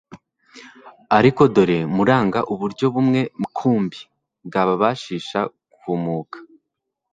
ariko none dore muranga uburyo bumwe mkumbi bwababashisha guhumuka.